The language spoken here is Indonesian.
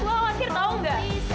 lo akhir tau gak